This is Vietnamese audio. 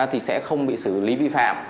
thì sẽ không bị xử lý vi phạm